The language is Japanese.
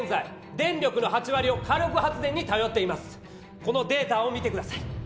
このデータを見てください。